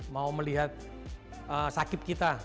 mau melihat sakip kita